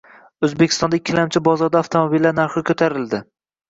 O‘zbekistonda ikkilamchi bozorda avtomobillar narxi ko‘tarildi